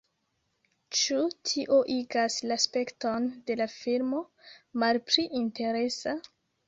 Ĉu tio igas la spekton de la filmo malpli interesa?